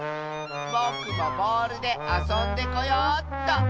ぼくもボールであそんでこようっと。